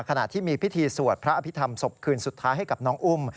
ขณะที่มีพิธีสวดพระอภิษฐรรมศพคืนสุดท้ายให้กับน้องอุ้ม